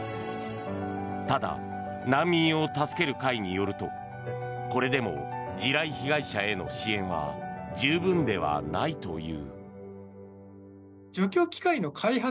ただ、難民を助ける会によるとこれでも地雷被害者への支援は十分ではないという。